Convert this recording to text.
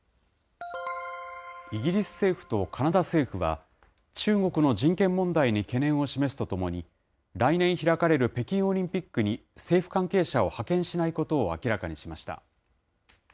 イギリス政府とカナダ政府は、中国の人権問題に懸念を示すとともに、来年開かれる北京オリンピックに政府関係者を派遣しないことを明らかにしました。